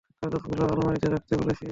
কাগজপত্রগুলো আলমারিতে রাখতে বলেছি!